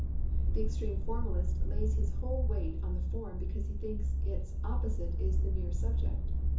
The extreme formalist lays his whole weight on the form because he thinks its opposite is the mere subject.